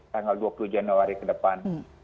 tanggal dua puluh januari ke depan